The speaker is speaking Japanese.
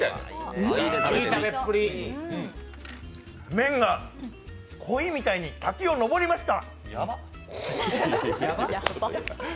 麺が鯉みたいに滝を登りました！